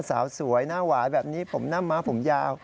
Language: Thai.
สาวสวยหน้าหวานแบบนี้ผมหน้าม้าผมยาว